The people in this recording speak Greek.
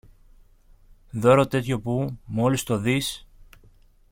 δώρο τέτοιο που, μόλις το δεις